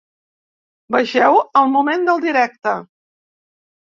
Vegeu el moment del directe.